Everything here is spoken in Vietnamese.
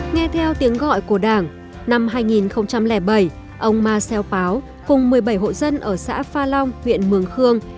nghe theo tiếng gọi của đảng năm hai nghìn bảy ông marcel páu cùng một mươi bảy hộ dân ở xã pha long huyện mường khương